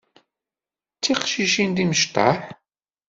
D tiqcicin timecṭaḥ.